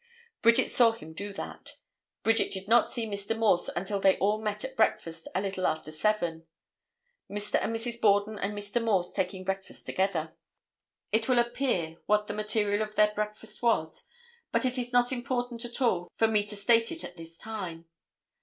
Bridget saw him do that. Bridget did not see Mr. Morse until they all met at breakfast, a little after 7. Mr. and Mrs. Borden and Mr. Morse taking breakfast together. It will appear what the material of their breakfast was, but it is not important at all for me to state it at this time.